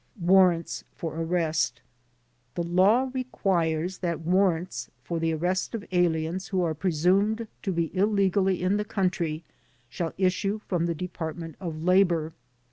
Warrants for Arrest The law requires that warrants for the arrest of aliens who are presumed to be illegally in the country shall issue from the Department of Labor.